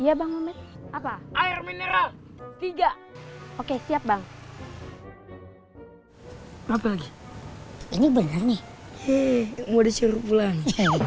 iya bangun apa air mineral tiga oke siap bang apa lagi ini bener nih hei mode seru pulang